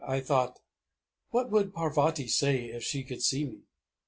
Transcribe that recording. I thought, "What would Parvati say if she could see me?